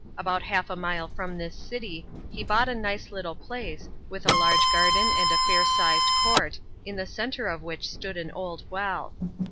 About half a mile from this city he bought a nice little place, with a large garden and a fair sized court, in the centre of which stood an old well.